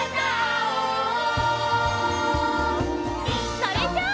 それじゃあ！